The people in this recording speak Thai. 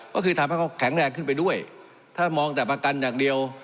ก็คือทำให้เขาแข็งแรงขึ้นไปด้วยถ้ามองแต่ประกันอย่างเดียว